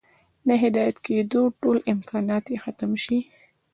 د هدايت كېدو ټول امكانات ئې ختم شي